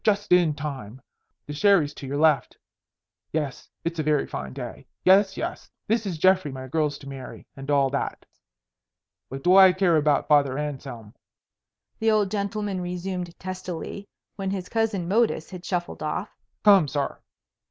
Just in time. The sherry's to your left. Yes, it's a very fine day. Yes, yes, this is Geoffrey my girl's to marry and all that. What do I care about Father Anselm?" the old gentleman resumed testily, when his cousin Modus had shuffled off. "Come, sir."